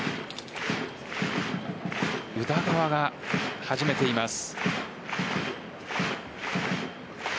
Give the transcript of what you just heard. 宇田川が始めています。